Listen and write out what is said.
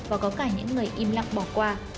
và có cả những người im lặng bỏ qua